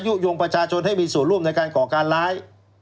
ยุโยงประชาชนให้มีส่วนร่วมในการก่อการร้าย